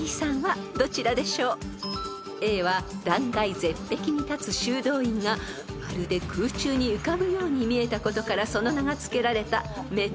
［Ａは断崖絶壁に立つ修道院がまるで空中に浮かぶように見えたことからその名が付けられた］